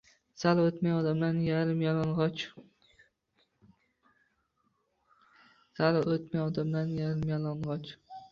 Sal o‘tmay odamlarning yarim yalang‘och